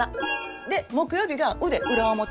で木曜日が腕裏表。